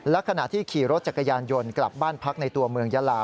และขณะที่ขี่รถจักรยานยนต์กลับบ้านพักในตัวเมืองยาลา